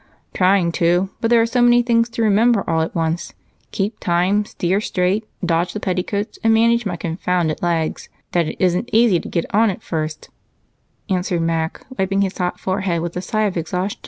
"Trying to, but there are so many things to remember all at once keep time, steer straight, dodge the petticoats, and manage my confounded legs that it isn't easy to get on at first," answered Mac with a sigh of exhaustion, wiping his hot forehead.